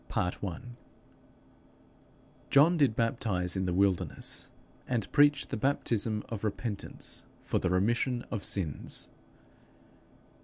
_ John did baptize in the wilderness, and preach the baptism of repentance for the remission of sins.